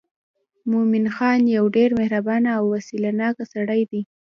مومن خان یو ډېر مهربانه او وسیله ناکه سړی و.